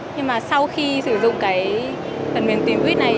nhưng mà sau khi sử dụng cái phần mềm tìm buýt này